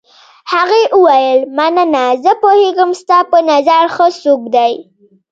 هغې وویل: مننه، زه پوهېږم ستا په نظر ښه څوک دی.